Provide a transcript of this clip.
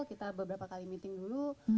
kita beberapa kali meeting dulu